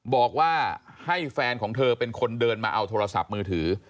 บอกว่าให้แฟนของเธอเป็นคนเดินมาเอาโทรศัพท์มือถือ